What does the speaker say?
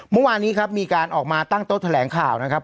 เมื่อวานนี้ครับมีการออกมาตั้งโต๊ะแถลงข่าวนะครับ